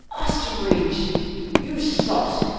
Osterbridge! You sot!